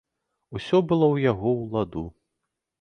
Усё было ў яго ў ладу.